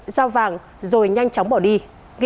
giao vàng rồi nhanh chóng bỏ đi